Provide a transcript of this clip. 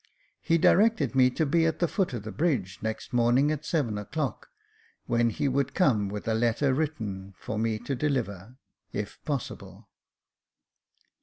He directed me to be at the foot of the bridge next morning at seven o'clock, when he would come with a letter written for me to deliver, if possible.